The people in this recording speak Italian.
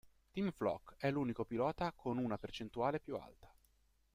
Tim Flock è l'unico pilota con una percentuale più alta.